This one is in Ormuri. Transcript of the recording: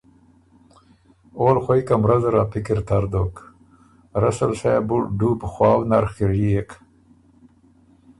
اول خوئ کمرۀ زر ا پکِر تر دوک، رسل صېب بُو ډوب خواؤ نر خِريېک،